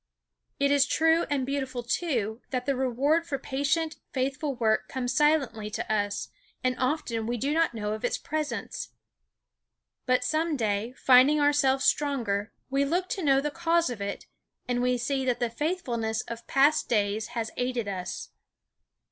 It is true and beautiful, too, that the reward for patient, faithful work comes silently to us, and often we do not know of its presence. But some day, finding ourselves stronger, we look to know the cause of it, and we see that the faithfulness of past days has aided us.